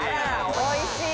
おいしい。